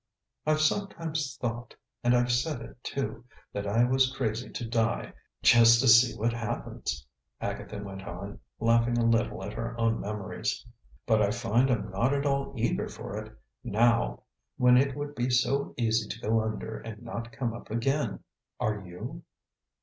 "I've sometimes thought, and I've said it, too, that I was crazy to die, just to see what happens," Agatha went on, laughing a little at her own memories. "But I find I'm not at all eager for it, now, when it would be so easy to go under and not come up again. Are you?"